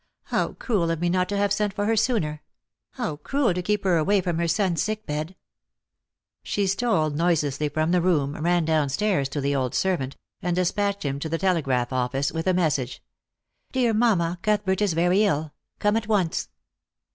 How cruel of me not to have sent for her sooner ; how cruel to keep her away from her son's sick bed !" She stole noiselessly from the room, ran down stairs to the old servant, and de spatched him to the telegraph office with a message :" Dear mamma, Cuthbert is very ill. Come at once."